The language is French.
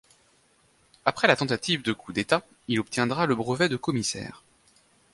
Après la tentative de coup d'état, il obtiendra le brevet de commissaire.